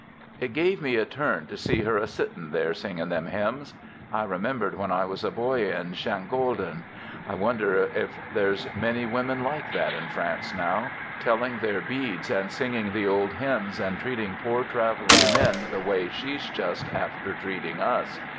"It gave me a turn to see her a sitting there singing them hymns. I remembered when I was a boy in Shangolden. I wonder if there's many women like that in France now telling their beads and singing the old hymns and treating poor traveling men the way she's just after treating us.